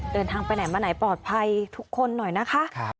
เดินทางไปไหนมาไหนปลอดภัยทุกคนหน่อยนะคะ